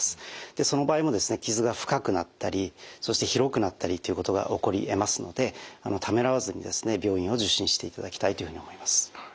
その場合もですね傷が深くなったりそして広くなったりということが起こりえますのでためらわずにですね病院を受診していただきたいというふうに思います。